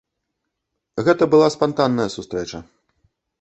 Гэта была спантанная сустрэча.